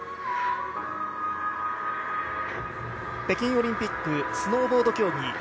北京オリンピックスノーボード競技